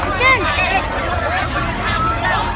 ก็ไม่มีเวลาให้กลับมาเท่าไหร่